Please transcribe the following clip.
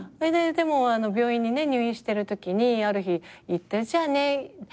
でも病院に入院してるときにある日行ってじゃあね。